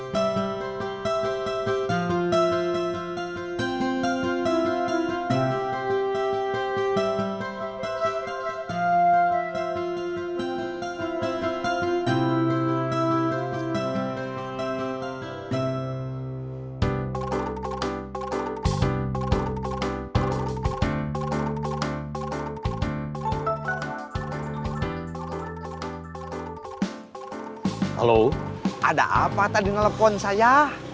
kalau ada apa tadi ngelepon saya